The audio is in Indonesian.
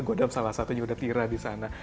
godam salah satunya udah tira di sana